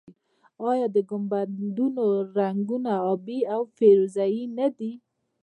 آیا د ګنبدونو رنګونه ابي او فیروزه یي نه دي؟